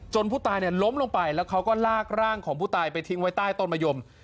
ผู้ตายล้มลงไปแล้วเขาก็ลากร่างของผู้ตายไปทิ้งไว้ใต้ต้นมะยม